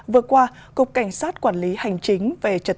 vừa qua cục cảnh sát quản lý hành chính về trạng thống